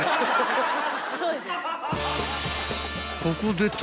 ［ここで］